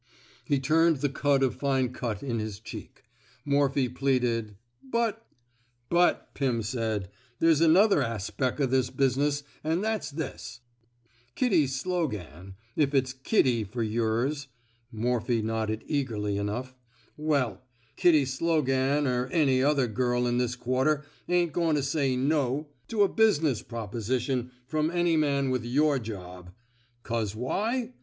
" He turned the cud of fine cut in his cheek. Morphy pleaded :But —''But," Pim said, ^^ there's another aspeck of the business, an' that's this: Kitty Slogan, — if it's Kitty fer yours" (Mor phy nodded eagerly enough) —Well, Kitty Slogan er any other girl in this quar ter ain't goin' to say * No ' to a business 117 THE SMOKE EATEES proposition from any man with your job. 'Cause why?